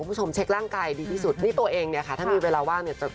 เพราะว่าผู้ชมเช็คร่างกายดีที่สุด